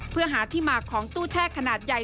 เพื่อหาที่มาของตู้แช่ขนาดใหญ่